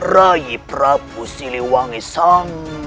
raih prabu siliwangi sang